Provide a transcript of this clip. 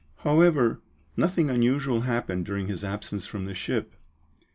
However, nothing unusual happened during his absence from the ship.